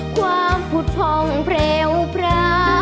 ความพูดพร่องเผลาพะ